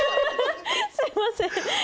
すみません。